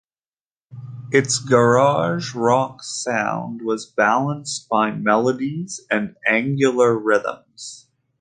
Its garage rock sound was balanced by melodies and angular rhythms.